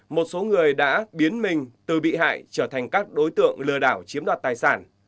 một số người đã biến mình từ bị hại trở thành các đối tượng lừa đảo chiếm đoạt tài sản